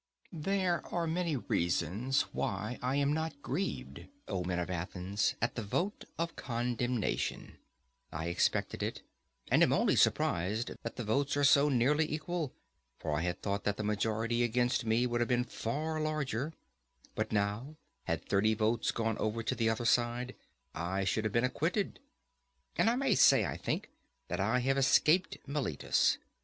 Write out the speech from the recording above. There are many reasons why I am not grieved, O men of Athens, at the vote of condemnation. I expected it, and am only surprised that the votes are so nearly equal; for I had thought that the majority against me would have been far larger; but now, had thirty votes gone over to the other side, I should have been acquitted. And I may say, I think, that I have escaped Meletus.